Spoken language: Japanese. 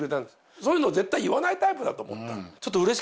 そういうの絶対言わないタイプだと思ったの。